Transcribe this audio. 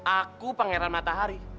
aku pangeran matahari